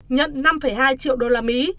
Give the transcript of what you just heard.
nhận năm hai triệu đô la mỹ